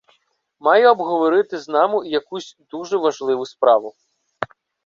Має обговорити з нами якусь дуже важливу справу.